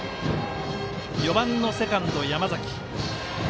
４番のセカンド山崎。